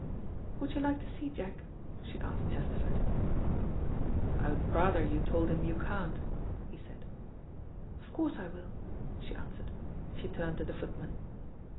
"Would you like to see Jack?" she asked Chesterford. "I would rather you told him you can't," he said. "Of course I will," she answered. She turned to the footman.